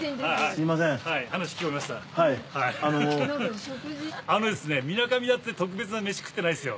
みなかみだって特別な飯食ってないですよ。